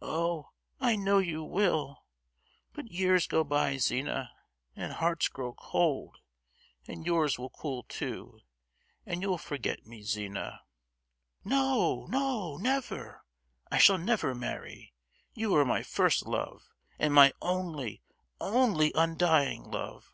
Oh, I know you will; but years go by, Zina, and hearts grow cold, and yours will cool too, and you'll forget me, Zina!" "No, no, never! I shall never marry. You are my first love, and my only—only—undying love!"